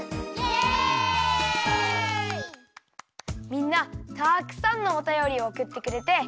みんなたくさんのおたよりをおくってくれて。